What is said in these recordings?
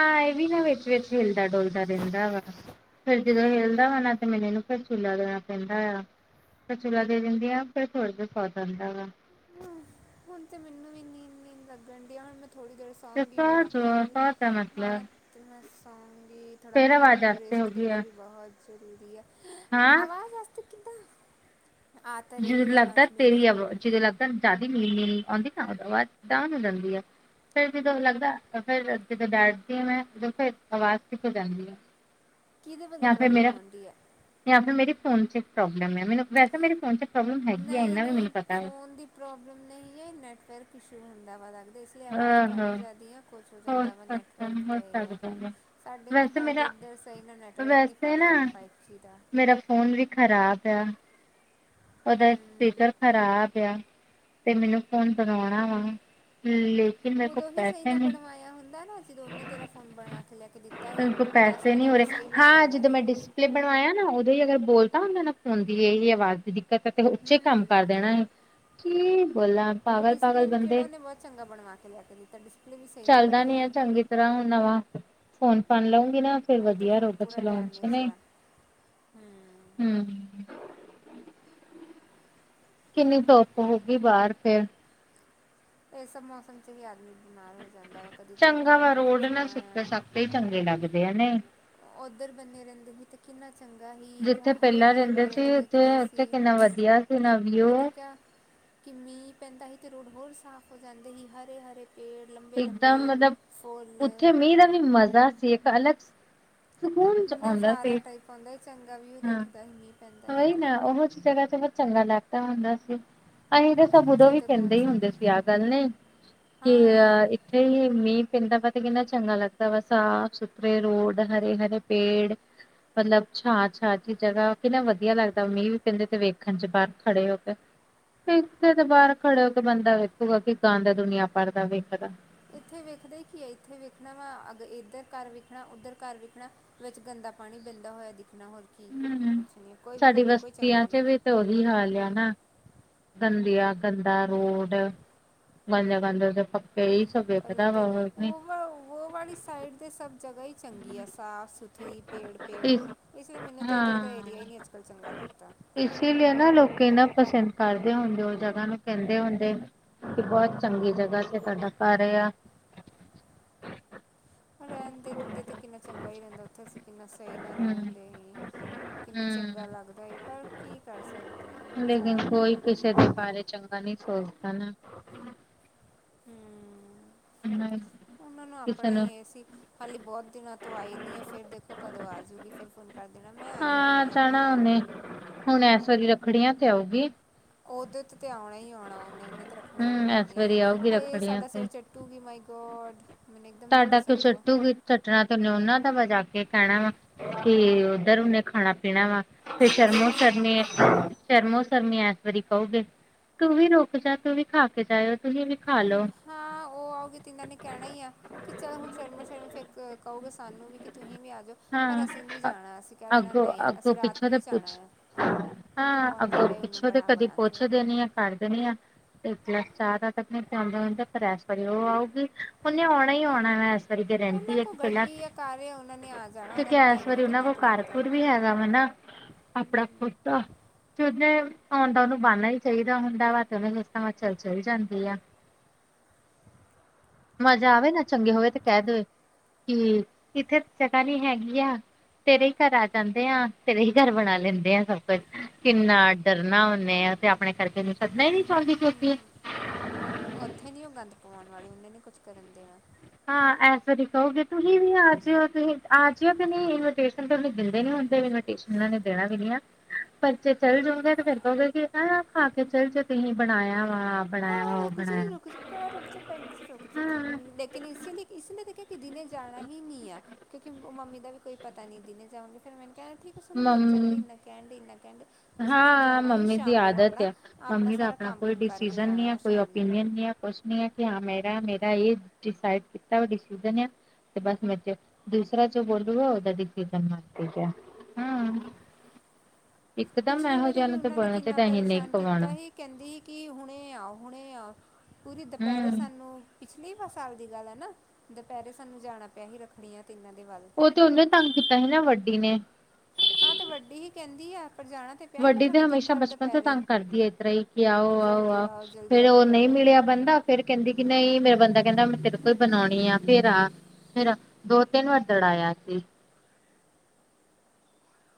ਹਾਂ ਇਹ ਵੀ ਨਾ ਵਿੱਚ ਵਿਚ ਹਿਲਦਾ ਡੁਲਦਾ ਰਹਿੰਦਾ ਵਾ ਫੇਰ ਜਦੋਂ ਹੇਲਦਾ ਵਾ ਨਾ ਤੇ ਮੈਨ ਇਹਨੂੰ ਫਿਰ ਚੂਲਾ ਦੇਣਾ ਪੈਂਦਾ ਆ ਫ ਚੁਲਾ ਦੇ ਦਿੰਦੀ ਆ ਫਿਰ ਥੋੜ੍ਹਾ ਜਿਹਾ ਸਆਦਉਂਦਾ ਵਾ ਹ ਹੁਣ ਤੇ ਮੈਨੂੰ ਵੀ ਨੀਂਦ ਨੀਂਦ ਲੱਗਣ ਡ ਆ ਹੁਣ ਮੈਂ ਥੋੜ੍ਹੀ ਦੇਰ ਸੋ ਤੇ ਪਾਚ ਹੋ ਪਾਚ ਹੈ ਮਤਲਬ ਅਤੇ ਮੈਂ ਸੌਂਗੀ ਥੋੜ੍ਹਾ ਫੇਰ ਅੱਖਾਂ ਨੂੰ ਆਵਾਜ਼ ਮੈਨੂੰ ਆਸਤੇ ਹੋ ਰੇਸਟ ਗਈ ਦੇਣਾ ਆ ਵੀ ਬਹੁਤ ਜ਼ਰੂਰੀ ਹੈ ਹਾਂ ਆਵਾਜ਼ ਵਸਤੇ ਕਿੱਦਾਂ ਆ ਤਾਂ ਜਦੋਂ ਰਹੀ ਹੈ ਲੱਗਦਾ ਆਵਾਜ਼ ਮੇਰੀ ਤੇਰੀ ਆ ਜਦੋਂ ਲੱਗਦਾ ਜ਼ਿਆਦਾ ਮੇਰੀ ਆਉਂਦੀ ਤਾਂ ਅਵਾਜ ਡਾਓਂਨ ਹੋ ਜਾਂਦੀ ਆ ਫਿਰਰ ਜਦੋਂ ਲੱਗਦਾ ਫੇਰ ਜਦੋਂ ਡੈਟਦੀ ਆ ਮੈਂ ਉਦੋਂ ਫਰ ਆਵਾਜ਼ ਠੀਕ ਹੋ ਜਾਂਦੀ ਹ ਕਿਹਦੇ ਵੱਲੋਂ ਪ੍ਰੋਬਲਮ ਹੋਂਡ ਰਹਿ ਹੈ ਜਾਂ ਫਿਰ ਮੇਰੀ ਫੋਨਚ ਪ੍ਰੋਬਲਮ ਹੈ ਮੈਨੂੰ ਵੈਸੇ ਮੇਰੇ ਫੋਨ ' ਨਹੀਂ ਨਹੀਂ ਫੋਨ ਦੀ ਪ੍ਰੋਬਲਮ ਨਹੀਂ ਹੈ ਨੈਟਵਰਕ ਇਸ਼ੂ ਹੁੰਦਾ ਵਾ ਲੱਗਦਾ ਇਸ ਆਵਾਜ਼ ਕੱਢ ਆਹੋ ਜਾਦੀ ਹੈ ਕੁਚੋਂ ਹੋ ਜਾਂਦਾਵ ਸਕਦਾ ਹੈ, ਨੈੱਟਵਰਕ ਹੋ ਤਾਂ ਇਹ ਆ ਸਕਦਾ ਵਾ ਸਾਡੇ ਵੈਸੇ ਘਰ ਦੇ ਮੇਰਾ ਇੱਧਰ ਸਹੀ ਨਾਲ ਨੈੱਟਵਰਕ ਨਹੀਂ ਵੈਸੇ ਨਾ ਫੜਦਾ ਵਾ ਫਾਈਵ ਜੀ ਦਾ ਮੇਰਾ ਫੋਨ ਵੀ ਖ਼ਰਾਬ ਆ ਉਹਦਾ ਹਮ ਸਪੀਕਰ ਖਰਾਬ ਆ ਤੇ ਮੈਨੂੰ ਫ਼ੋਨ ਕਣਾਉਣਾ ਵਾ [unintelligible] ਉਦੋਂ ਹੀ ਸਹੀ ਪੈਸੇ ਨਾਲ ਨਹੀਂ ਬਣਵਾਇਆ ਹੁੰਦਾ ਨਾ ਜ ਉਹਨੇ ਤੇਰਾ ਫੋਨ ਬਣਵਾ ਕੇ ਲੈ ਕੇ ਦਿੱਤਾ ਸੀ ਮੇਰੇ ਕੋਲ ਤਾਂ ਪੈਸੇ ਸ਼ਾਇਦ ਨਹੀਂ ਹੋ ਹੁਣੇ ਰਹੇ ਸਹੀ ਨਾ ਹਾਂ ਚੱਲਣਾ ਜਦੋਂ ਸੀ ਮੈਂ ਡਿਸਪਲੇ ਬਣਵਾਇਆ ਨਾ ਉਦੋਂ ਹੀ ਅਗਰ ਬੋਲ ਤਾਂ ਉਹਦੇ ਨਾ ਫਦੀ ਇਹੀ ਆਵਾਜ਼ ਦੀ ਦਿੱਕਤ ਹੈ ਤੇ ਉੱਚੇ ਕੰਮ ਹੂੰ ਕਰ ਦੇਣਾ ਸੀ ਕੀ ਬੋਲ ਉਹ ਡਿਸਪਲੇ ਵੀ ਕਿਹੜਾ ਉਹਨੇ ਬਹੁਤ ਚੰਗਾ ਬਣਵਾ ਕੇ ਲਿਆ ਕੇ ਦਿੱਤਾ ਡਿਸਪਲੇ ਵੀ ਸਹੀ ਨਹੀਂ ਬਣਿਆ ਹੈ ਗੀ ਤਰ੍ਹਾਂ ਹੁਣ ਨਵਾਂ ਫੋਨ ਫਣ ਲਊਂਗੀ ਨਾ ਫਿਰ ਉਹ ਤੇ ਵਧੀਆ ਫ਼ੋਨ ਰੋਗਾ ਪੂਰਾ ਚਲਾਉਣ ਚ ਡੈਮੇਜ ਨੇ ਆ ਹੂੰ ਹਮ ਕਿੰਨੀ ਧੁੱਪ ਹੋਗੀ ਬਾਹਰ ਫਿਰ ਇਹ ਸਭ ਮੌਸਮ ਚ ਵੀ ਆਦਮੀ ਬਿਮਾਰ ਹੋ ਜਾਂਦਾ ਵਾ ਕਦੀ ਧੁੱਪ ਆ ਕਦੀ ਛਾਂ ਆ ਤੇ ਚੰਗੇ ਲੱਗਦੇ ਆ ਨੇ ਉੱਧਰ ਬੰਨੇ ਰਹਿੰਦੇ ਸੀ ਤੇ ਕਿੰਨਾ ਚੰਗਾ ਸੀ ਜਿੱਥੇ ਹਰੇ ਪਹਿਲਾਂ ਹਰੇ ਰਹਿੰਦੇ ਪੇੜ ਸੀ ਵਿਖਦੇ ਸੀ ਉੱਥੇ-ਉੱਥੇ ਕਿੰਨਾ ਵਧੀਆ ਸੀ ਨਾ ਵਿਊ। ਉਹਨੇ ਤੇ ਕਿਹਾ ਕਿ ਮੀਂਹ ਪੈਂਦਾ ਸੀ ਤੇ ਰੋਡ ਹੋਰ ਸਾਫ਼ ਹੋ ਜਾਂਦੇ ਸੀ ਹਰੇ ਹਰੇ ਪੇੜ ਲੰਬ ਇਕਦਮ ਮਤਲਬ ਉੱਥੇ ਮੀਂ ਦਾ ਵੀ ਮਜ਼ਾ ਸੀ ਇੱਕ ਅਲੱਗ ਸਕੂਨ ਚ ਆਉਂਦਾ ਸੀ ਉਹਨੇ ਵੀ ਚੰਗਾ ਵਿਊ ਦੇਖਦਾ ਸੀ ਪੈਂਦਾ ਸੀ ਉਹੀ ਨਾ ਤੇ ਉਹ ਜਗਾ ਤੇ ਬ ਚੰਗਾ ਲੱਗਦਾ ਹੁੰਦਾ ਸੀ। ਅਸੀਂ ਤਾਂ ਸਭ ਉਦੋਂ ਇੱਥੇ ਵੀ ਤੇ ਕਹਿੰਦੇ ਕੁਛ ਹੀ ਹੁੰਦੇ ਨਹੀਂ ਸੀ ਆਹ ਗੱਲ ਨਹੀਂ ਹਾਂ ਕਿ ਮੀਹ ਪੈਂਦਾ ਵਾ ਤੇ ਕਿੰਨਾ ਚੰਗਾ ਲੱਗਦਾ ਵਾ ਸਾਫ ਸੁਥਰੇ ਰੋਡ ਹਰੇ ਹਰੇ ਪੇੜ ਸ ਬੰਦਾ ਛਛ ਜਗਾ ਕਿੰਨਾ ਵਧੀਆ ਲੱਗਦਾ ਮੀਂਹ ਵੀ ਕਹਿੰਦੇ ਤੇ ਵੇਖਣ ਚ ਬਾਹਰ ਖੜੇ ਹੋ ਕੇ। ਫਦੇ ਤੋਂ ਬਾਹਰ ਖੜ ਹੋ ਕੇ ਬੰਦਾ ਵੇਖੂਗਾ ਕਿ ਗੰਦਾ ਦੁਨੀਆਂ ਭਰਦਾ ਵੇਖਦਾ। ਇੱਥੇ ਵੇਖਦੇ ਕੀ ਹੈ ਇੱਥੇ ਵੇਖਣਾ ਵਾ ਅ ਇੱਧਰ ਘਰ ਵੇਖਣਾ ਉੱਧਰ ਘਰ ਵੇਖਣਾ। ਵਿੱਚ ਗੰਦਾ ਪਾਣੀ ਪੈਂਦਾ ਹੋਇਆ ਦਿਖਣਾ ਹੋਰ ਕੀ ਹੂੰ, ਕੁਛ ਨਹੀਂ ਕੋਈ ਵਿਊ ਸਾਡੀ ਨਹੀਂ ਕੋਈ ਚੰਗਾ ਬਸਤੀਆਂ ਨਹੀਂ। ਚ ਤੇ ਉਹੀ ਹਾਲ ਆ ਨਾ। ਗੰਦੀਆ ਗੰਦਾ ਰੋਡ ਗਾਂਦ ਗਾਂਦੇ ਉਦੇ ਈ ਸੇ ਪਧਾ ਵ ਹੋ। ਉਹ ਵਾਲੀ ਸਾਈਡ ਦੇ ਸਭ ਜਗਾ ਹੀ ਚੰਗੀ ਆ ਸਾਫ ਸੁਥਰੀ ਪੇੜ ਪੇੜ। ਇਸ ਕਿਸੇ ਮਹੀਨੇ ਤੇ ਇੱਧਰ ਦਾ ਏਰੀਆ ਹੀ ਨਹੀਂ ਅੱਜ ਕੱਲ ਚੰਗਾ ਲੱਗਦਾ ਇਸ ਲਈ ਨਾ ਲੋਕ ਨਾ ਪਸੰਦ ਕਰਦੇ ਹੁੰਦੇ ਉਹ ਜਗਾ ਨੂੰ ਕਹਿੰਦੇ ਹੁੰਦੇ ਕਿ ਬਹੁਤ ਚੰਗੀ ਜਗਾ ਤੁਹਾਡਾ ਘਰ ਆ ਰਹਿਣ ਦੇ ਦਿੰਦੇ ਤਾਂ ਕਿੰਨਾ ਚੰਗਾ ਹੀ ਰਹਿੰਦਾ ਉੱਥੇ ਅਸੀਂ ਕਿੰਨਾ ਸਹੀ ਨਾਲ ਰਹਿਣ ਦੇ ਹੀ ਕਿੰਨਾ ਚੰਗਾ ਹੂੰ-ਹੂੰ। ਲੱਗਦਾ ਪਰ ਕੀ ਕਰ ਸਕਦੇ ਹਾਂ ਲੇਕਿਨ ਛੱਡ ਕੋਈ ਕਿਸੇ ਦੇ ਬਾਰੇ ਚੰਗਾ ਨਹੀਂ ਸੋਚਦਾ ਨਾ। ਹੂ ਨਹੀਂ ਉਹਨਾਂ ਨੂੰ ਆਪਣਾ ਹੀ ਇਹ ਸੀ। ਹੱਲੇ ਬਹੁਤ ਦਿਨਾਂ ਤੋਂ ਆਈ ਨਹੀਂ ਆ ਫਿਰ ਦੇਖੋ ਕਦੋਂ ਆਜੂਗੀ ਫਿਰ ਫੋਨ ਕਰ ਦੇਣਾ ਮੈਂ ਆਈ ਨਹੀਂ ਹਾਂ ਮੈਂ ਜਾਣਾ ਆਈ ਉਹਨੇ ਨਹੀਂ ਹਾਂ। ਹੁਣ ਇਸ ਵਾਰੀ ਰੱਖੜੀਆਂ ਤੇ ਆਉਗੀ। ਉਹਦੇ ਤੇ ਤੇ ਆਉਣਾ ਹੀ ਆਉਣਾ ਉਹਨੇ ਉਹਨੇ ਤੇ ਰੱਖੜੀਆਂ ਹਮ ਇਸ ਮਨਾਉਣੀਆਂ ਹੀ ਆ ਵਾਰੀ ਆਊਗੀ ਹਾਏ ਰੱਖੜੀਆਂ ਸਾਡਾ ਤੇ ਸਿਰ ਚ ਟੂ ਬੀ ਮਾਈ ਗੋਡ ਮੈਨੂੰ ਇਕਦਮ ਨਹੀਂ ਤੁਹਾਡਾ ਕਿਉਂ ਪਸੰਦ ਹੋ। ਚੱਟੂਗੀ ਚੱਟਣਾ ਤੇ ਉਹਨਾਂ ਦਾ ਵਜਾ ਕੇ ਕਹਿਣਾ ਵਾ ਕਿ ਉੱਧਰ ਉਹਨੇ ਖਾਣਾ ਪੀਣਾ ਵਾ। ਫਿਰ ਸ਼ਰਮਾ ਉਹਨੂੰ ਸਰਨੀ। ਸ਼ਰਮੋ ਸ਼ਰਮੀ ਇਸ ਵਾਰੀ ਕਹੋਗੇ ਤੂੰ ਵੀ ਰੁਕ ਜਾ ਤੂੰ ਵੀ ਖਾ ਕੇ ਜਾਇਓ ਤੁਸੀਂ ਵੀ ਖਾ ਲੋਓ। ਮ, ਹਾਂ ਉਹ ਆਓਗੇ ਤਿੰਨਾਂ ਨੇ ਕਹਿਣਾ ਹੀ ਆ। ਕਿ ਚੱਲ ਹੁਣ ਸ਼ਰਮੋ ਸ਼ਰਮ ਫਿਰ ਕਹੋਗੇ ਸਾਨੂੰ ਵੀ ਕਿ ਤੁਸੀਂ ਵੀ ਆ ਜਾਓ। ਪਰ ਹਾਂ ਅਸੀਂ ਨਹੀਂ ਜਾਣਾ ਅਸੀਂ ਕਹਿ ਦੇਣਾ ਅੱਗੋਂ ਨਹੀਂ ਅੱਗੋਂ ਅਸੀਂ ਰਾਤ ਪਿੱਛੋਂ ਨੂੰ ਤੇ ਹੀ ਜਾਣਾ ਪੁੱਛ ਹੈ। ਖਵਾਉਂਦੇ ਰਹੇ ਉਹਨੂੰ ਬਣਾ ਬਣਾ ਕੇ। ਕਰ ਦੇਣੀ ਆ। ਇੱਕ ਲਸ ਚਾਹ ਰਾ ਆਪਣੇ ਪਿਉਂਦੇ ਪਰ ਐ ਵਾਰੀ ਉਹ ਆਉਗੀ ਉਹਨੇ ਆਉਣਾ ਹੀ ਆਉਣਾ ਵੈਸ। ਕਰਕੇ ਰਹਿੰਦੀ ਇੱਕ ਤਰਾਂ ਘਰ ਉਹਨਾਂ ਨੇ ਆ ਜਾਣਾ ਉਹਨਾਂ ਨੂੰ ਟਾਈਮ ਹੀ ਕਿੰਨਾ ਕੋਲ ਕੁ ਲੱਗਦਾ ਹੈ। ਕਾਰਕੁਰ ਵੀ ਹੈਗਾ ਨਾ ਆਪਣਾ ਖੁਟਾ ਕਿ ਉਹਨੇ ਆਉਂਦਾ ਉਹਨੂੰ ਬਣਨਾ ਹੀ ਚਾਹੀਦਾ ਹੁੰਦਾ ਵਾ ਤੇ ਉਹਨੇ ਇਸ ਹਿਮਾਚਲ ਚੱਲ ਜਾਂਦੀ ਆ। [inaudible] ਮਜ਼ਾ ਆਵੇ ਨਾ ਚੰਗੇ ਹੋਵੇ ਤੇ ਕਹਿ ਦੇਵੇ ਕਿ ਇੱਥੇ ਤਾਂਹੀ ਹੈਗੀ ਆ। ਤੇਰੇ ਹੀ ਘਰ ਆ ਜਾਂਦੇ ਆ ਤੇਰੇ ਹੀ ਘਰ ਬਣਾ ਲੈਂਦੇ ਆ ਸਭ ਕੁਝ ਕਿੰਨਾ ਡਰਨਾ ਹੁੰਦੇ ਆ। ਤੇ ਆਪਣੇ ਕਰਜ਼ੇ ਨੂੰ ਛੱਡਨਾ ਹੀ ਨੀ ਚਾਹੁੰਦੀ ਕਿਉਂਕਿ ਉੱਥੇ ਨੀ ਉਹ ਗੰਦ ਪਵਾਉਣ ਵਾਲੀ ਉਹਨੇ ਨੇ ਕੁਛ ਕਰਨ ਦੇਣਾ। ਹਾਂ ਐ ਵਾਰੀ ਕਹੋਗੇ ਤੁਸੀਂ ਵੀ ਆ ਜੀਓ ਤੁਸੀਂ ਆ ਜੀਓ ਕਿ ਨਹੀਂ ਇਨਵੀਟੇਸ਼ਨ ਤੇ ਉਹਨੂੰ ਦਿੰਦੇ ਨੀ ਹੁੰਦੇ। ਉਹਨਾਂ ਨੇ ਦੇਣਾ ਵੀ ਨੀ ਆ। ਪਰਚੇ ਚਲ ਜਾਉਗੇ ਤੇ ਫਿਰ ਕਹੋਗੇ ਕਿ ਖਾ ਕੇ ਚਲ ਜਾਓ ਤੁਸੀਂ ਬਣਾਇਆ ਵਾ ਬਣਾਇਆ। ਵਾ ਉਹ ਰੁੱਖ ਸੀ ਬਣਾਇਆ ਰੁੱਖ ਸਿੱਟ ਰੁੱਖ ਭੈ ਰੁਕ ਤੁ ਹਾਂ ਲੇਕਿਨ ਇਸ ਲਈ ਇਸ ਲਈ ਦੇਖਿਆ ਕਿ ਜ ਨੇ ਜਾਣਾ ਹੀ ਨਹੀਂ ਆ। ਕਿਉਂਕਿ ਮੰਮੀ ਦਾ ਵੀ ਕੋਈ ਪਤਾ ਨਹੀਂ ਦੀਨੇ ਜਾਣਗੇ ਫਿਰ ਮੈ ਕਿਹਾ ਠੀਕ ਨੂੰ ਲੋਕ ਮੰਮੀ ਚਾਹੁੰਦੇ ਇੰਨਾ ਕਹਿਣ ਢੇ ਇੰਨਾ ਕਹ ਉਸ ਅਸੀਂ ਹਾਂ ਜਾਣਾ ਹੀ ਮੰਮੀ ਦੀ ਸ਼ਾਮ ਨੂੰ ਆਦਤ ਆਪਣਾ, ਆ ਆਪਣਾ ਮੰਮੀ ਦਾ ਸਾਰਾ ਕੰਮ ਕੋਈ ਕੁਮ ਕਰਕੇ ਡਿਸੀਜ਼ਨ ਜਾਣਾ ਨਹੀਂ ਹੈ ਵਾ ਕੋਈ ਸ਼ਾਮ ਨੂੰ ਨਹੀਂ ਹ ਕਿ ਹਾਂ ਮੇਰਾ ਮੇਰਾ ਇਹ ਡਿਸਾਈਡ ਕੀਤਾ ਤੇ ਬਸ ਮੈਂ ਦੂਸਰਾ ਜੋ ਬੋਲੂਗਾ, ਉਹਦਾ ਡਸੀਜ਼ ਮੰਨ ਗਿਆ ਹਾਂ ਇਕਦਮ ਪਿਛਲੀ ਇਹੋ ਵਾਰੀ ਜਿਹਾ ਵੀ ਨੂੰ ਤੇ ਉਨ੍ਹਾਂ ਨੇ ਬੋਲਣਾ ਕਿੰਨਾ ਚਾਹੀਦਾ ਅਸੀਂ ਨਹੀਂ ਪਰੇਸ਼ਾਨ ਖਵਾਉਣਾ ਕੀਤਾ ਸੀ। ਕਹਿੰਦੀ, ਕਿ ਹੁਣੇ ਆਓ ਹੁਣੇ ਆਓ ਪੂਰੀ ਦੁਪਹਿਰੇ ਹੂੰ, ਸਾਨੂੰ ਪਿਛਲੇ ਵ ਸਾਲ ਦੀ ਗੱਲ ਹੈ ਨਾ, ਦੁਪਹਿਰੇ ਸਾਨੂੰ ਜਾਣਾ ਪਿਆ ਹੀ ਰੱਖਣੀਆਂ ਤੇ ਇਹਨਾਂ ਦੇ ਵੱਲ ਉਹ ਤੇ ਉਹਨੇ ਤੰਗ ਕੀਤਾ ਸੀ ਨਾ ਵੱਡੀ ਨੇ ਹਾਂ ਤੇ ਵੱਡੀ ਹੀ ਕਹਿੰਦੀ ਆ ਪਰ ਜਾਣਾ ਤੇ ਪਿਆ ਸੀ ਨਾ ਵੱਡੀ ਤੇ ਸਾਨੂੰ ਹਮੇਸ਼ਾ ਤਿੱਖੜ ਬਚਪਨ ਤੋਂ ਦੁਪਹਿਰੇ ਤੰਗ ਕਰਦੀ ਹੈ ਏਤਰਾ ਹੀ ਕਿ ਆਓ ਆਹੋ ਜਲਦੀ ਆਹ ਆਓ ਜਲਦੀ ਆ ਫੇਰ ਕੇ ਉਹ ਨਹੀਂ ਬੰਨੋ ਮਿਲਿਆ ਬੰਦਾ ਫੇਰ ਕਹਿੰਦੀ ਕਿ ਨਹੀਂ ਮੇਰਾ ਬੰਦਾ ਕਹਿੰਦਾ, ਮੈਂ ਤੇਰੇ ਕੋਲ ਬਣਾਉਣੀ ਆ ਫੇਰ ਆ ਫੇਰ ਦੋ ਤਿੰਨ ਵਾਰ ਦੜਾਇਆ ਸੀ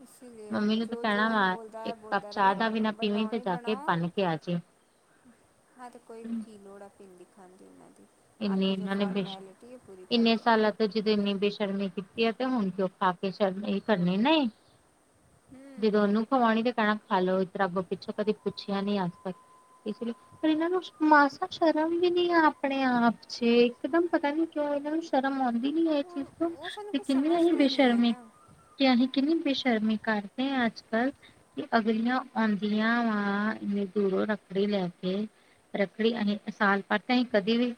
ਇਸ ਮੰਮੀ ਲਈ ਨੂੰ ਤੇ ਜੋ ਜੋ ਕਹਿਣਾ ਹੁਣ ਵਾ ਬੋਲਦਾ ਇੱਕ ਕੱਪ ਬੋਲਦਾ ਚਾਹ ਰਵੈ, ਦਾ ਵੀ ਨਾ ਪੀਵੀ ਬਣਾਓ ਤੇ ਨੀ ਜਾ ਕੇ ਬਣਾਓ ਬਣ ਕੇ ਆ ਜੀ। ਹਾਂ ਤੇ ਕੋਈ ਕੀ ਲੋੜ ਆ ਪਿੰਦੀ ਖਾਂ ਦੀ ਉਹਨਾਂ ਦੀ। ਇੰਨੀ ਆਪਣੀ ਜੋ ਬੇਸ਼ ਫੋਰਮੈਲਿਟੀ ਹੈ ਪੂਰੀ ਕਰ ਇੰਨੇ ਦੋ। ਸਾਲਾਂ ਤੇ ਜਿਦ ਨੇ ਬੇਸ਼ਰਮੀ ਕੀਤੀ ਆ ਤੇ ਹੁਣ ਕਿ ਉਹ ਖਾ ਕੇ ਸ਼ਰਮ ਕਰਨੀ ਨਹੀਂ। ਜੀ ਦੀ ਹੂੰ ਓਹਨੂੰ ਖਵਾਉਣੀ ਤੇ ਕਹਿਣਾ ਖਾ ਲੋ ਇਧਰ ਪਿੱਛਾ ਕਦੀ ਪੁੱਛਿਆ ਨੀ ਅੱਜ ਤੱਕ। ਇਸ ਲਈ ਪਰ ਇਹਨਾਂ ਨੂੰ ਮਾਸਾ ਸ਼ਰਮ ਵੀ ਨੀ ਆ ਆਪਣਾ ਆਪਣੇ ਆਪ ਚ ਇਕਦਮ ਪਤਾ ਨੀ ਕਿਉਂ, ਇਹਨਾਂ ਨੂੰ ਸ਼ਰਮ ਆਉਂਦੀ ਨੀ ਇਹ ਚੀਜ਼ ਉਹ ਉਹ ਸਾਨੂੰ ਤੇ ਕੁਝ ਕਿੰਨ ਏਹੀ ਸਮਝਦੇ ਬੇਸ਼ਰ ਨਹੀਂ ਆ ਹੈ ਨਾ ਕਿ ਅਸੀਂ ਕਿੰਨੀ ਬੇਸ਼ਰਮੀ ਕਰਦੇ ਹਾਂ, ਅੱਜ ਕੱਲ ਅਗਲੀਆਂ ਆਉਂਦੀਆਂ ਵਾ ਇੰਨੇ ਦੂਰੋਂ ਰੱਖੜੀ ਲੈ ਕੇ ਰੱਖੜੀ ਅਸੀਂ ਸਾਲ ਪਤ ਅਸੀਂ ਕਦੀ ਵੀ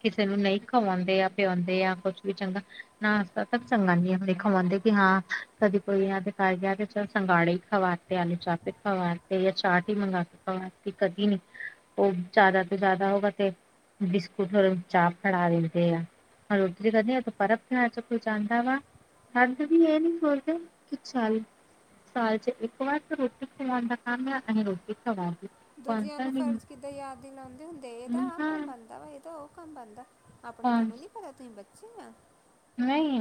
ਕਿਸੇ ਨੂੰ ਨਹੀਂ ਖਵਾਉਂਦੇ ਆ, ਪਿਉਂਦੇ ਆ ਕੁਛ ਵੀ ਚੰਗਾ ਨਾ ਸੰਗ ਦੇਖਣ ਆਉਂਦੇ ਕਿ ਹਾਂ ਕਦੀ ਕੋਈ ਇਹਦੇ ਕਰ ਗਿਆ ਤੇ ਚਲ ਸੰਗਾੜੇ ਖਵਾ ਆਲੂ ਚਾਹ ਕੇ ਖਵਾਤੇ ਜਾਂ ਚਾਟ ਹੀ ਮੰਗਾ ਕੇ ਖਵਾਤੀ ਕਦੀ ਨੀ ਉਹ ਜ਼ਿਆਦਾ ਤੋਂ ਜ਼ਿਆਦਾ ਹੋਗਾ ਤੇ ਬਿਸਕੁਟਰੋਂ ਚਾਹ ਫੜਾ ਦਿੰਦੇ ਆ ਹ ਰੋਟੀ ਕਦੇ ਪਰਬਣਾ ਚ ਕੋਈ ਜਾਂ ਆਂਦਾ ਵਾ ਹਜ ਵੀ ਇਹ ਨੀ ਸੋਚਦੇ ਕਿਛ ਨਹੀਂ ਸਾਲ ਚ ਇਕ ਵਾਰ ਰੋਟੀ ਖਵਾਉਣ ਦਾ ਕੰਮ ਆ ਅਸੀਂ ਰੋਟੀ ਖਵਾ ਕੌਣ ਦੂਜਿਆਂ ਨੂੰ ਫਰਜ਼ ਕਿੱਦਾਂ ਯਾਦ ਦੀਲਾਉਂਦੇ ਹੁੰਦੇ, ਇਹਦਾ ਆਹ ਕੰਮ ਬਣਦਾ ਵਾ ਇਹਦਾ ਉਹ ਕੰਮ ਬਣਦਾ ਆਪਣੇ ਤੁਹਾਨੂੰ ਸਾ ਨੀ ਪਤਾ, ਤੁਸੀਂ ਬੱਚੇ ਆ ਨਹੀਂ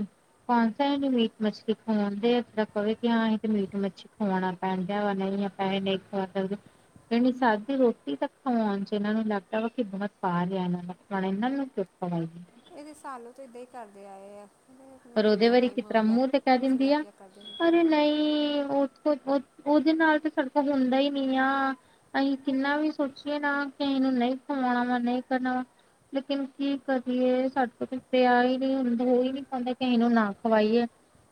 ਕੌਣਸ ਇਹ ਮੀਟ ਮੱਛਲੀ ਖਵਾਉਣਦੇ ਜਿਹੜਾ ਕਵੇ ਕਿ ਹਾਂ ਇਹ ਤੇ ਮੀਟ ਮੱਛੀ ਖਾਉਣਾ ਪੈਣ ਦਾ ਵਾ ਨਹੀਂ ਪੈਸੇ ਜਾਣੀ, ਸਾਦੀ ਰੋਟੀ, ਤ ਖਵਾਉਣ ਚ ਇਹਨਾਂ ਨੂੰ। ਲੱਗਦਾ ਵਾ ਕਿ, ਬਹੁਤ ਪਾ ਲਿਆ। ਇਹਨਾਂ ਦਾ ਹੁਣ ਇਹਨਾਂ ਨੂੰਉ। ਹਾਂਜੀ। ਇਹਦੇ ਸਾਨੂੰ, ਤਾਂ ਏਦਾਂ ਹੀ, ਕਰਦੇ ਆਏ ਆ। ਇਹਦੇ ਪਰ ਉਹਦੇ, ਕਿੰਨਾ ਵਾਰੀ ਟਾਈਮ ਕਿਸ ਹੋ ਤਰਾਂ, ਗਿਆ ਮੂੰਹ ਤੇ ਕਹਿ ਦਿੰਦੀ ਆ। ਚਲਾਕੀਆਂ ਕਰਦੇ ਨੇ ਅਰੇ ਨਹੀਂ ਉਹ। ਉਹਦੇ ਨਾਲ ਤਾਂ, ਸੜਕੋ ਹੁੰਦਾ ਹੀ, ਨੀ ਆ। ਅਸੀਂ ਕਿੰਨਾ ਵੀ ਸੋਚੀਏ ਨਾ, ਕਿ ਅਸੀਂ ਨੂੰ ਨਹੀਂ ਕਵਾਉਣਾ ਵਾ ਨਹੀਂ ਕਰਨਾ ਵਾ ਲੇਕਿਨ ਕੀ ਕਰਈਏ ਸਾਡੇ ਕੋਲ ਪਿੱਛੇ ਹੀ ਨਹੀਂ ਹੁੰਦਾ, ਉਹ ਹੀ ਨਹੀਂ ਕਿਸੇ ਨੂੰ ਨਾ ਖਵਾਈਏ,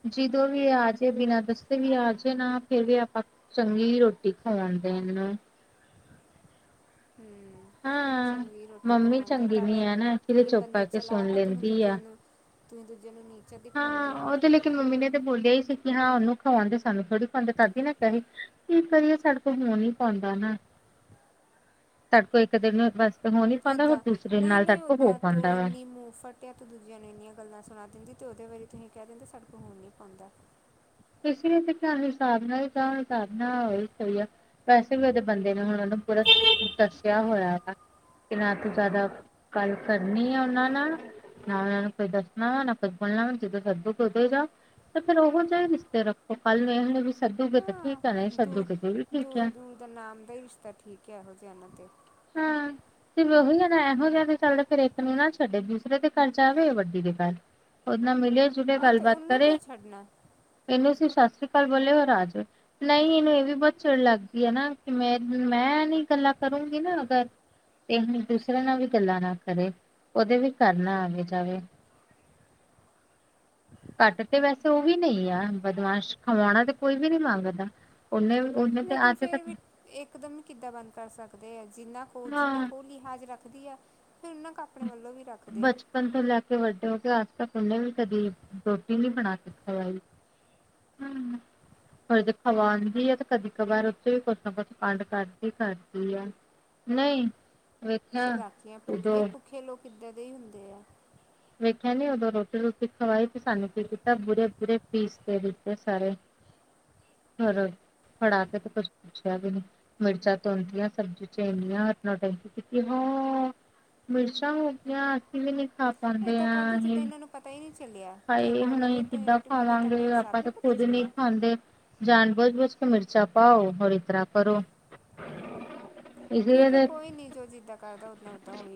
ਜਦੋਂ ਵੀ ਆਜੇ ਬਿਨਾਂ ਦੱਸੇ ਵੀ ਆ ਜਏ ਨਾ ਫੇਰ ਵੀ ਆਪਾਂ ਚੰਗੀ ਰੋਟੀ ਖਵਾਉਣ ਦੇਨ ਨੂੰ ਹਮ ਹਾਂ ਚੰਗੀ ਰੋਟੀ ਮੰਮੀ ਖਵਾਉਣਦੇ ਆ ਚੰਗੀ ਤੁਹਾਡੇ ਨੀ ਹੈ ਨਾ ਇਸ ਲਈ ਤੁਸੀਂ ਚੁੱਪ ਬੰਦੇ ਕਰਕੇ ਸੁਣ ਚਲਾਕ ਤੁਸੀਂ ਲੈਂਦੀ ਦੂਜੇ ਆ ਨੂੰ ਤੁਸੀਂ ਦੂਜਿਆਂ ਨੂੰ ਨੇਚਰ ਦਿਖਾਦੇ ਹਾਂ, ਹੈ ਉਹ ਤੇ ਲੇਕਿਨ ਮੰਮੀ ਨੇ ਤੇ ਬੋਲਿਆ ਹੀ ਸੀ ਕਿ ਹਾਂ ਉਹਨੂੰ ਖਵਾਉਂਦੇ ਸਾਨੂੰ ਥੋੜ੍ਹੀ ਨਾ ਕਹੀ ਕੀ ਕਰੀਏ ਸਾਡੇ ਕੋਲ ਹੋਣ ਹੀ ਪਾਂਦਾ ਨਾ, ਸਾਡੇ ਕੋਲ ਇੱਕ ਦਿਨ ਬਸ ਓਦਾਂ, ਨਹੀਂ ਨਹੀਂ ਓਦਾਂ ਤੂੰ ਪਾਉਂਦਾ ਵਾ। ਇੰਨੀ ਮੂੰ ਫਟ ਏ ਤਾਂ ਦੂਜਿਆਂ ਨੂੰ ਇੰਨੀਆਂ ਗੱਲਾਂ ਸੁਣਾ ਦਿੰਦੀ, ਤੇ ਉਹਦੇ ਬਾਰੇ ਤੁਸੀਂ ਕਹਿ ਦਿੰਦੇ ਸਾਡੇ ਕੋਲ ਹੋਣ ਨਹੀਂ ਪਾਉਂਦਾ ਇਸ ਲਈ ਤੇ, ਧਨ ਹਿਸਾਬ ਨਾਲ ਹੀ। ਤਾਂ ਹਿਸਾਬ ਨਾਲ, ਔਹੀ ਸਹੀ ਏ। ਵੈਸੇ ਵੀ, ਉਹਦੇ ਬੰਦੇ ਨੇ, ਹੁਣ ਉਹਨੂੰ ਪੂਰਾ ਦੱਸਿਆ ਹੋਇਆ ਵਾ। ਕਿ ਨਾ, ਤੂੰ ਜ਼ਿਆਦਾ, ਗੱਲ ਕਰਨੀ ਆ। ਉਹਨਾਂ ਨਾਲ। ਨਾ ਉਹਨਾਂ ਨੂੰ, ਕੋਈ ਦੱਸਣਾ, ਨਾ ਕੋਈ ਬੋਲਣਾ, ਜਦੋਂ ਸਦੂਕ ਉਦੇ ਜਾਔ। ਤੇ ਫੇਰ ਉਹ ਜਿਹੀ। ਤੇ ਰੱਖੋ ਕਲ ਇਹ ਵੀ ਸੱਦੂਗੇ ਤੇ ਹਾਂ ਠੀਕ ਐ, ਨਈਂ ਦੂਰ ਸੱਦੂਗੇ ਤੇ ਵੀ ਠੀਕ ਦੂਰ ਐ। ਦੂਰ ਨਾਮ ਦਾ ਹੀ ਰਿਸ਼ਤਾ ਠੀਕ ਹੈ ਇਹੋ ਜਿਹਾ ਨਾਂ ਤੇ ਹਾਂ ਤੇ ਵਹੀ ਏਨਾ ਏਹੋ ਜਾਆ ਦੇ ਚੱਲ ਦੇ ਇਕ ਨੂੰ ਛਡੇ ਦੂਸਰੇ ਦੇ ਘਰ ਜਾਵੇ ਵਡੀ ਦੇ ਘਰ ਉਦ ਨਾਲ ਮਿਲੇ ਜੁਲੇ ਹਾਂ ਤੇ ਗੱਲਬਤ ਉਹਨੂੰ ਕਰੇ ਕਿਉਂ ਛੱਡਣਾ ਏਨੂ ਤੁਸੀਂ ਸਤਿ ਸ੍ਰੀ ਅਕਾਲ ਬੋਲੇਉ ਔਰ ਆਜਾਉ। ਨਹੀਂ ਇਹਨੂੰ ਇਹ ਵੀ ਬਹੁਤ ਚਿੜ ਲੱਗਦੀ ਹੈ ਨਾ ਕਿ ਮੈਂ ਮੈਨਹੀਂ ਗੱਲਾਂ ਕਰੂੰਗੀ ਨਾ ਅਗਰ ਤੇ ਹੁਣ ਦੂਸਰੇਿਆਂ ਨਾਲ ਵੀ ਗੱਲਾਂ ਨਾ ਕਰੇ ਉਹਦੇ ਵੀ ਘਰ ਨਾ ਆਵੇ ਜਾਵੇ ਘੱਟ ਤੇ ਵੈਸੇ ਉਹ ਵੀ ਨਹੀਂ ਆ ਬਦਮਾਸ਼ ਖਵਾਉਣਾ ਤੇ ਕੋਈ ਵੀ ਨੀ ਮੰਗਦਾ ਉਹਨੇ ਉਹਨੇ ਤੇ ਲੇਕਿਨ ਅੱਜ ਫੇਰ ਤੱਕ ਵੀ ਇੱਕ ਦਮ ਕਿੱਦਾਂ ਬੰਦ ਕਰ ਸਕਦੇ ਆ ਜਿੰਨਾ ਕੋ ਜਿੰਨਾ ਹਾਂ ਕੋ ਲਿਹਾਜ਼ ਰੱਖ ਰੱਖਦੀ ਆ, ਫੇਰ, ਉਹਨਾਂ ਕ ਆਪਣੇ ਵੱਲੋਂ ਵੀ ਰੱਖ। ਬਚਪਨ ਤੋਂ, ਲੈ ਕੇ ਵੱਡੇ ਹੋ ਗਏ। ਆਜ ਤੱਕ ਉਹਨੇ ਵੀ, ਕਦੀ ਰੋਟੀ ਨਹੀਂ, ਬਣਾ ਕੇ ਖਵਾਈ। ਹਮ [inaudible] ਹਰ ਜੇ ਖਵਾਉਂਦੀ ਐ ਤੇ ਕਦੀ-ਕਵਾਰ ਉੱਥੇ ਵੀ ਕੁਛ ਨਾਂ ਕੁਛ ਕਾਂਡ ਕਰਦੀ ਕਰਦੀ ਆ। ਨਹੀਂ ਵੇਖਿਆ ਚਲਾਕੀਆ ਭੁੱਖੇ ਏ ਉਦੋਂ ਭੁੱਖੇ ਲੋਕ ਏਦਾ ਦੇ ਹੀ ਹੁੰਦੇ ਆ, ਵੇਖਿਆ ਨਈਂ ਉਦੋਂ ਰੋਟੀ-ਰੁਟੀ ਖਵਾਈ ਤੇ ਸਾਨੂੰ ਕੀ ਕੀਤਾ ਬੁਰੇ-ਬੂਰੇ ਪੀਸ ਦੇ ਦਿੱਤੇ ਸਾਰੇ। ਹੋਰ ਫੜਾ ਕੇ ਤੇ ਕੁਛ ਪੁੱਛਿਆ ਵੀ ਨਈਂ ਮਿਰਚਾਂ ਤੋ ਹੂਦੀਆਂ ਸਬਜ਼ੀ ਚ ਹੂਦੀਆਂ ਨੋਟੈਂਕੀ ਕੀਤੀ ਹੋ ਮਿਰਚਾਂ ਹੋ ਗਈਆਂ ਅਸੀਂ ਵੀ ਨਈਂ ਖਾ ਪਾਂਦੇ ਆਂ ਅਨੀਅਨ ਉਨੂੰ ਪਤਾ ਹੀ ਨਹੀਂ ਚੱਲਿਆ ਤੁਸੀਂ ਹਾਏ ਪਾਉਣ ਹੁਣ ਲੱਗੇ ਅਹੀ ਤੁਸੀਂ ਕਿੱਦਾਂ ਰੋਟੀ ਬਣਾਉਣਾ ਤੁਹਾਨੂੰ ਖਾਵਾਂਗੇ, ਹਿਸਾਬ ਆਪਾਂ ਨਹੀਂ ਤੇ ਪਤਾ ਖੁੱਦ ਨਈਂ ਚੱਲਿਆ ਖਾਂਦੇ। ਜਾਣ ਬੁਝ-ਬੁਝ ਕੇ ਮਿਰਚਾਂ ਪਾਓ, ਹੋਰ ਇਤਰ੍ਹਾਂ ਕਰੋ। ਇਸ ਲਈ ਠੀਕ ਆ ਤੇ ਕੋਈ ਨਹੀਂ ਜੋ ਜਿੱਦਾਂ ਕਰਦਾ ਉਦਾ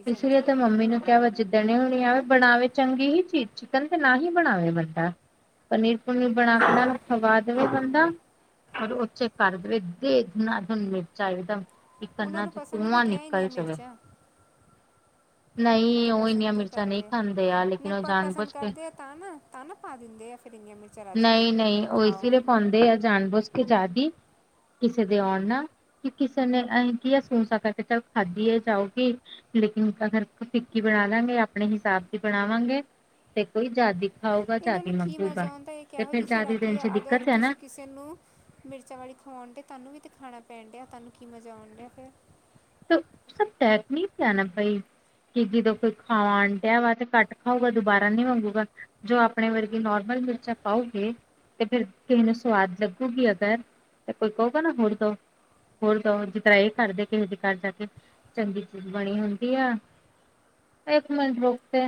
ਇਸ ਲਈ ਤੇ ਮੰਮੀ ਨੂੰ ਕਿਆ ਵ ਜਿੱਦਣ ਓਹਨੀ ਆਵੇ ਬਣਾਵੇ ਚੰਗੀ ਹੀ ਚੀਜ਼ ਚਿਕਨ ਤੇ ਨਾਂ ਹੀ ਬਣਾਵੇ ਬੰਦਾ ਪਨੀਰ-ਪਨੁਰ ਬਣਾ ਕੇ ਖਵਾ ਦੇਵੇ ਬੰਦਾ ਔਰ ਉਚੇ ਕਰ ਦੇਵੇ ਦੇ ਧੁਨਾਧੁਨ ਮਿਰਚਾ ਇੱਕਦਮ ਕਿ ਉਹਨਾਂ ਕੰਨਾਂ ਨੂੰ ਚ ਪਸੰਦ ਵੀ ਧੂਆਂ ਤੇ ਆ ਨਿਕਲ ਇੰਨੀਆਂ ਜਾਵੇੇ ਮਿਰਚਾਂ ਉਹ ਤੇ ਇੰਨੀਆਂ ਪਸੰਦ ਈ ਮਿਰਚਾਂ ਨਹੀਂ ਕਰਦੇ ਖਾਂਦੇ ਆ ਨਈਂ ਲੇਕਿਨ ਉਹ ਜਾਣ ਪਸੰਦ ਬੁਝ ਕੇ ਕਰਦੇ ਤਨ, ਤਨ ਪਾ ਦਿੰਦੇ ਆ ਫਿਰ ਇਨੀਆਂ ਮਿਰਚ ਨਈਂ ਨਈਂ, ਉਹ ਇਸ ਲਈ ਪਾਉਂਦੇ ਆ ਜਾਨ ਬੁਜ ਕੇ ਜਾਦੀ ਕਿਸੇ ਦੇ ਆਉਣ ਨਾ ਕਿ ਕਿਸੇ ਨੇ ਅਸੀਂ ਕੀ ਆ ਸੂ ਸਾ ਕਰਕੇ ਖਾਧੀ ਆ ਜਾਓਗੀ ਲੇਕਿਨ ਅਗਰ ਫਿੱਕੀ ਬਣਾਦਾਂਗੇ ਆਪਣੇ ਹਿਸਾਬ ਦੀ ਬਣਾਵਾਂਗੇ ਤੇ ਕੋਈ ਜ਼ਾਦੀ ਇਹਨਾਂ ਨੂੰ ਕੀ ਮਜ਼ਾ ਆਉਂਦਾ ਇਹ ਕਿਹੋ ਜਿਹੇ ਜ਼ਿਆਦੀ ਚਲਾਕੀ ਦਿਨ ਐ ਚ ਅਗਰ ਦਿੱਕਤ ਹੈ ਨਾ ਤੁਸੀਂ ਕਿਸੇ ਤੈਨੂੰ ਮਿਰਚਾਂ ਵਾਲੀ ਖਵਾਉਣ ਤੇ ਤੁਹਾਨੂੰ ਵੀ ਤਾਂ ਖਾਣਾ ਪੈਣ ਡਿਆ ਤੁਹਾਨੂੰ ਕੀ ਮਜ਼ਾ ਆਉਣ ਡਿਆ ਫਿਰ ਸਭ ਟੈਕ ਨਿਕ ਆ ਨਾ ਬਾਈ ਕਿ ਜਦੋਂ ਕੋਈ ਖਾਣ ਦਿਆ ਵਾ ਤੇ ਘੱਟ ਖਾਊਗਾ ਦੁਬਾਰਾ ਨਹੀਂ ਮੰਗੂਗਾ ਜੋ ਆਪਣੇ ਵਰਗੇ ਨੋਰਮਲ ਮਿਰਚਾਂ ਪਾਊਗੇ ਤੇ ਫਿਰ ਕਿਸੇ ਨੂੰ ਸਵਾਦ ਲੱਗੂਗੀ ਅਗਰ ਤੇ ਕੋਈ ਕਹੂਗਾ ਨਾ ਹੋਰ ਦੋ ਹੋਰ ਦੋ ਜਿਸ ਤਰ੍ਹਾਂ ਇਹ ਕਰਦੇ ਕਿਸੇਦੇ ਘਰ ਜਾ ਕੇ ਚੰਗੀ ਚੀਜ਼ ਬਣੀ ਹੁੰਦੀ ਆ ਇੱਕ ਮਿੰਟ ਰੁਕ ਕੇ